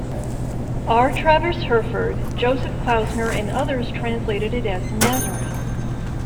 R. Travers Herford, Joseph Klausner and others translated it as the Nazarene.